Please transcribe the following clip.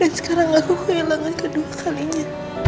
dan sekarang aku kehilangan kedua kalinya